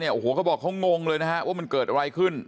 โอ้โหเขาบอกเขางงเลยนะฮะว่ามันเกิดอะไรขึ้น